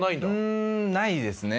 うんないですね。